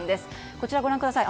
こちら、ご覧ください。